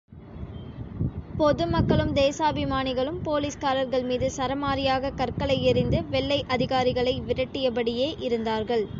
பொதுமக்களும், தேசாபிமானிகளும் போலீஸ்கார்கள் மீது சரமாரியாகக் கற்களை எறிந்து வெள்ளை அதிகாரிகளை விரட்டியபடியே இருந்தார்கள்.